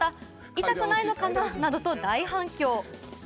痛くないのかな？などと大反響。